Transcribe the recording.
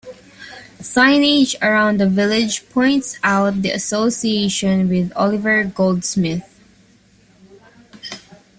Signage around the village points out the association with Oliver Goldsmith.